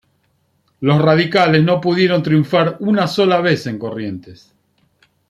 Los radicales no pudieron triunfar una sola vez en Corrientes.